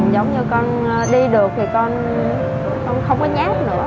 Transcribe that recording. giống như con đi được thì con không có nhát nữa